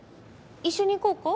一緒に行こうか？